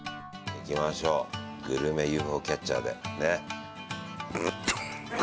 いきましょうグルメＵＦＯキャッチャーでね。